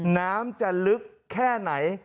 น้ำจะลึกแค่ไหน